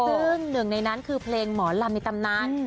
ซึ่งหนึ่งในนั้นคือเพลงหมอลำในตำนาน